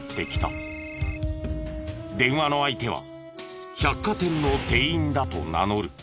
電話の相手は百貨店の店員だと名乗る。